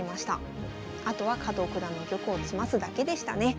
あとは加藤九段の玉を詰ますだけでしたね。